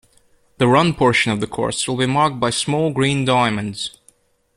The run portion of the course will be marked by Small Green Diamonds.